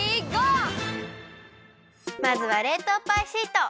まずはれいとうパイシート！